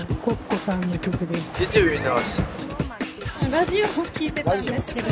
ラジオを聴いてたんですけど。